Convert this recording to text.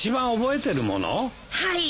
はい。